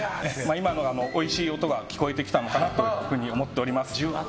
今のおいしい音が聞こえてきたのかなと思っております。